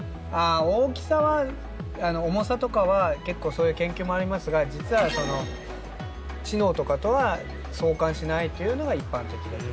大きさは重さとかは結構、そういう研究もありますが実は、知能とかとは相関しないというのが一般的です。